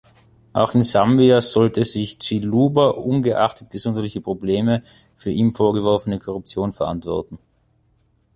Auch in Sambia sollte sich Chiluba, ungeachtet gesundheitlicher Probleme, für ihm vorgeworfene Korruption verantworten.